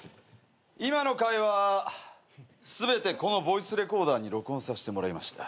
・今の会話全てこのボイスレコーダーに録音させてもらいました。